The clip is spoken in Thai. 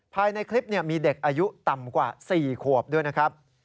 ภายในคลิปมีเด็กอายุต่ำกว่า๔ขวบด้วยนะครับ